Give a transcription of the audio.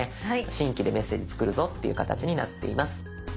新規でメッセージ作るぞっていう形になっています。